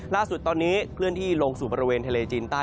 ล่าสุดตอนนี้เคลื่อนที่ลงสู่บริเวณทะเลจีนใต้